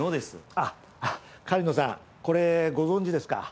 あっ狩野さんこれご存じですか？